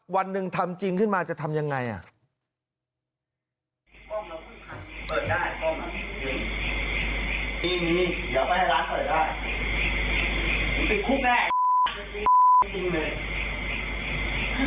วันหนึ่งทำจริงขึ้นมาจะทำอย่างไร